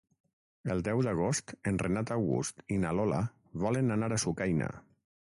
El deu d'agost en Renat August i na Lola volen anar a Sucaina.